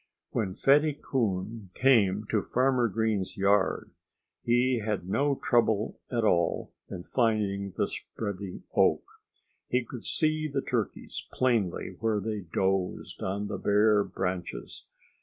When Fatty Coon came to Farmer Green's yard he had no trouble at all in finding the spreading oak. He could see the turkeys plainly where they dozed on the bare branches.